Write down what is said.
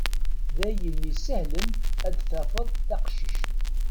Dayen isehlen ad tafeḍ taqcict.